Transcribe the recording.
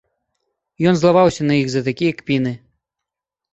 Ён злаваўся на іх за такія кпіны.